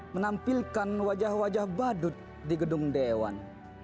menampilkan wajah wajah badut di gedung dewan